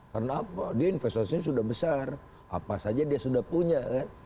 karena apa dia investasinya sudah besar apa saja dia sudah punya kan